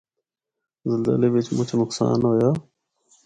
زلزلے بچ مُچ نقصان ہویا۔